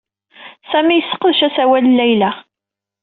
Sami yesseqdec asawal n Layla.